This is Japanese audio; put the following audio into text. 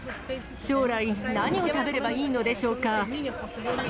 将来、何を食べればいいのでしょうか。